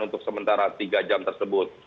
untuk sementara tiga jam tersebut